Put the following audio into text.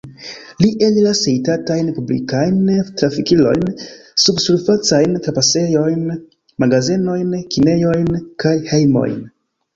Ili eniras hejtatajn publikajn trafikilojn, subsurfacajn trapasejojn, magazenojn, kinejojn kaj hejmojn.